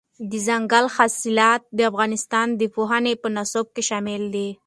دځنګل حاصلات د افغانستان د پوهنې په نصاب کې شامل دي.